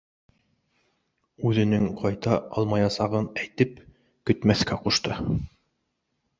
Үҙенең ҡайта алмаясағын әйтеп, көтмәҫкә ҡушты.